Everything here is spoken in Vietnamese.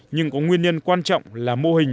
nhưng có nguyên nhân quan trọng là mô hình